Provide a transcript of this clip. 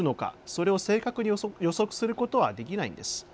それを正確に予測することはできないんです。